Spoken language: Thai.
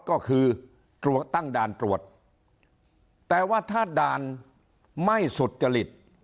ก็คือตั้งด่านตรวจแต่ว่าถ้าด่านไม่สุจริต